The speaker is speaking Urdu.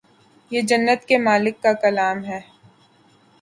یہ جنت کے مالک کا کلام ہے